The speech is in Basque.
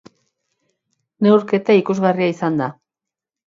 Neurketa ikusgarria izan da.